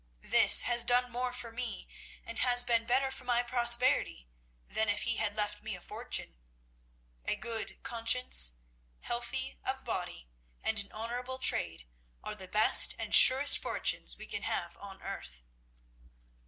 This has done more for me, and has been better for my prosperity, than if he had left me a fortune. A good conscience, health of body, and an honourable trade, are the best and surest fortunes we can have on earth."